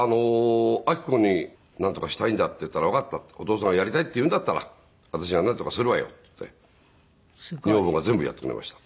明子に「なんとかしたいんだ」って言ったら「わかった。お父さんがやりたいって言うんだったら私がなんとかするわよ」って言って女房が全部やってくれました。